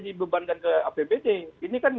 dibebankan ke apbd ini kan